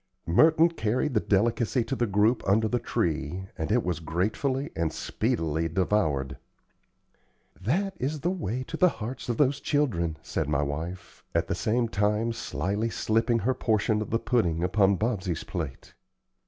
Merton carried the delicacy to the group under the tree, and it was gratefully and speedily devoured. "That is the way to the hearts of those children," said my wife, at the same time slyly slipping her portion of the pudding upon Bobsey's plate.